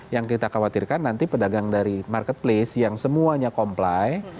yang kita khawatirkan nanti pedagang dari marketplace yang semuanya comply